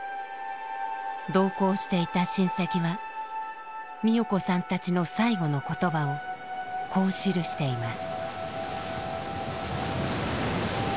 同行していた親戚は美代子さんたちの最期の言葉をこう記しています。